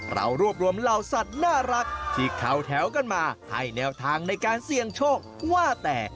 เรารวบรวมเหล่าสัตว์น่ารักที่เข้าแถวกันมาให้แนวทางในการเสี่ยงโชคว่าแต่